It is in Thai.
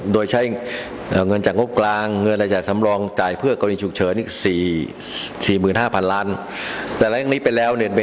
โดยใช้เงินจากงบกลางเงินรายจ่ายสำรองจ่ายเพื่อกรณีฉุกเฉินอีก๔๕๐๐๐ล้าน